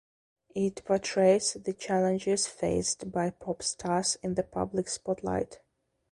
It portrays the challenges faced by pop stars in the public spotlight.